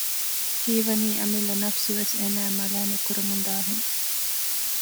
ހީވަނީ އަމިއްލަ ނަފުސުވެސް އޭނައަށް މަލާމަތްކުރަމުންދާހެން